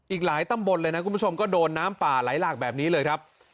อีกหลายตำบลเลยนะคุณผู้ชมก็โดนน้ำป่าไหลหลากแบบนี้เลยครับ